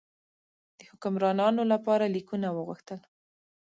د حکمرانانو لپاره لیکونه وغوښتل.